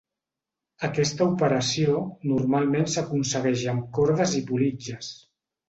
Aquesta operació normalment s'aconsegueix amb cordes i politges.